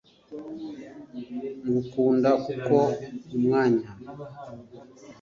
ngukunda kuko umwanya